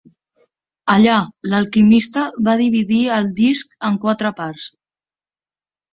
Allà, l'Alquimista va dividir el disc en quatre parts.